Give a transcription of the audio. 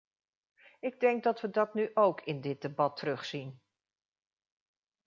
Ik denk dat we dat nu ook in dit debat terugzien.